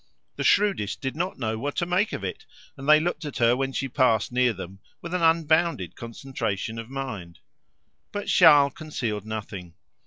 The shrewdest did not know what to make of it, and they looked at her when she passed near them with an unbounded concentration of mind. But Charles concealed nothing.